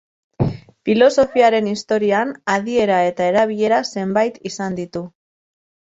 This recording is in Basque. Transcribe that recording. Filosofiaren historian, adiera eta erabilera zenbait izan ditu.